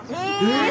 え